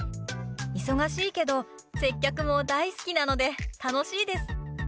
忙しいけど接客も大好きなので楽しいです。